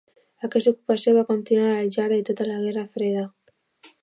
Aquesta ocupació va continuar al llarg de tota la Guerra Freda.